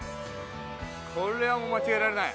これはもう間違えられない。